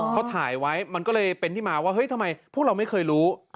เขาถ่ายไว้มันก็เลยเป็นที่มาว่าเฮ้ยทำไมพวกเราไม่เคยรู้